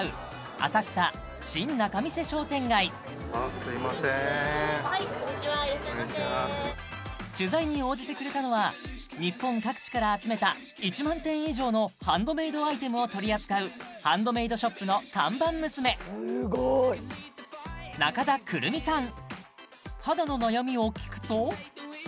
浅草新仲見世商店街あすいませーんこんにちはいらっしゃいませ取材に応じてくれたのは日本各地から集めた１万点以上のハンドメイドアイテムを取り扱うハンドメイドショップの看板娘中田くるみさん